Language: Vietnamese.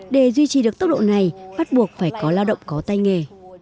để duy trì được tốc độ này phát buộc phải có lao động có tay nghề